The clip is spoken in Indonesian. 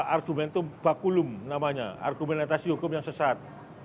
argumentum bakulum namanya argumentasi hukum yang sesat